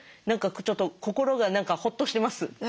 何かちょっと心が何かほっとしてます。